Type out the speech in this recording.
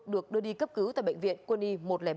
được đưa đi cấp cứu tại bệnh viện quân y một trăm linh ba